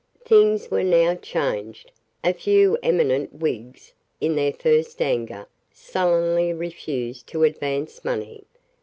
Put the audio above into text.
Things were now changed. A few eminent Whigs, in their first anger, sullenly refused to advance money.